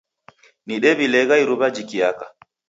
Nedew'ilegha iruwa jikiaka.